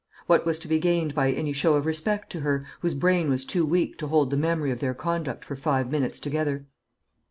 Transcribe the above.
What was to be gained by any show of respect to her, whose brain was too weak to hold the memory of their conduct for five minutes together?